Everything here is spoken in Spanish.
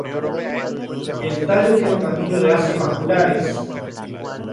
El tallo tiene un anillo de haces vasculares.